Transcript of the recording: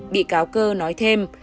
bị cáo cơ nói thêm